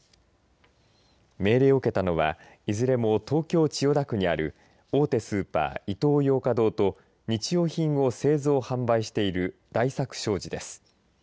命令を受けたのはいずれも東京、千代田区にある大手スーパーイトーヨーカ堂と日用品を製造・販売している大作商事です。